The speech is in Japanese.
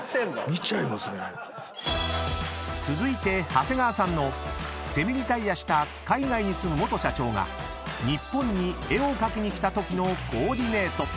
［続いて長谷川さんのセミリタイアした海外に住む元社長が日本に絵を描きに来たときのコーディネート］